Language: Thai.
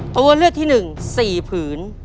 ตัวเลือดที่หนึ่ง๔ผืน